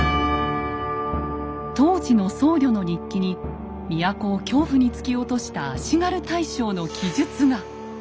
当時の僧侶の日記に都を恐怖に突き落とした足軽大将の記述が。